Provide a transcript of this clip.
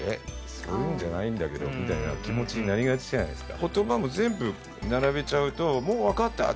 そういうんじゃないんだけどみたいな気持ちになりがちじゃないですか。